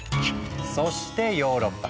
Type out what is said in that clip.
そしてヨーロッパ。